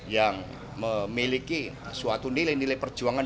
yang memiliki suatu nilai nilai perjuangan